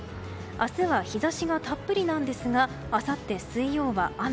明日は日差しがたっぷりなんですがあさって水曜は雨。